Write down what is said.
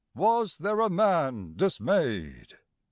Was there a man dismay'd?